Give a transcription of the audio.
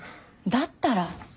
だったら。